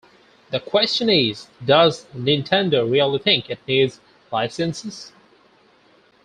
The question is, does Nintendo really think it needs licensees?